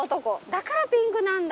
だからピンクなんだ。